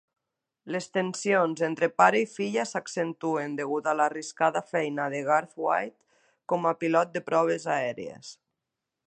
Les tensions entre pare i filla s'accentuen degut a l'arriscada feina de Garthwaite com a pilot de proves aèries.